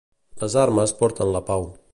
Les armes porten la pau.